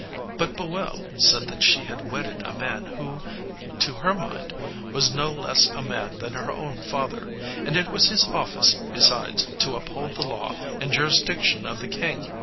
But Boel said that she had wedded a man who, to her mind, was no less a man than her own father; and it was his office, besides, to uphold the law and jurisdiction of the king.